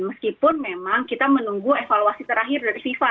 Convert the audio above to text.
meskipun memang kita menunggu evaluasi terakhir dari fifa